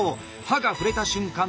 刃が触れた瞬間